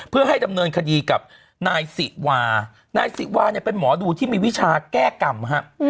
เพื่อให้ดำเนินคดีกับนายสิวานายสิวาเนี่ยเป็นหมอดูที่มีวิชาแก้กรรมฮะ